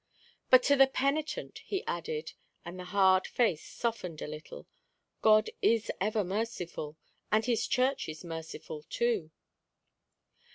"But to the penitent," he added, and the hard face softened a little, "God is ever merciful, and his Church is merciful too."